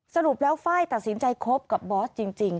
สรุปแล้วไฟล์ตัดสินใจคบกับบอสจริง